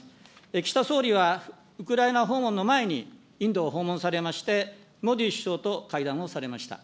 岸田総理はウクライナ訪問の前にインドを訪問されまして、モディ首相と会談をされました。